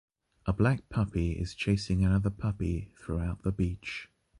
A black puppy is chasing another puppy throughout the beach.